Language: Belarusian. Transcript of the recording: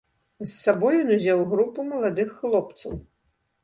З сабой ён узяў групу маладых хлопцаў.